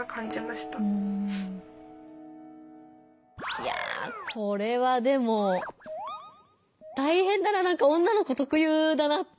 いやぁこれはでもたいへんだななんか女の子特有だなって。